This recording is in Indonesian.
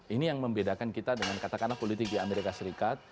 ini yang membedakan kita dengan katakanlah politik di amerika serikat